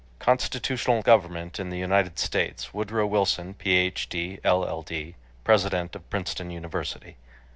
—"Constitutional Government in the United States." Woodrow Wilson, Ph.D., LL.D., President of Princeton University.